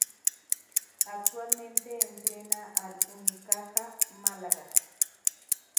Actualmente entrena al Unicaja Málaga.